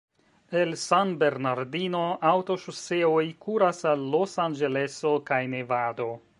El San Bernardino aŭtoŝoseoj kuras al Los-Anĝeleso kaj Nevado.